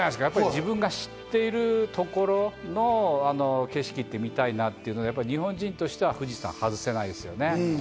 自分が知っているところの景色、みたいなということで日本人としては富士山は外せないですよね。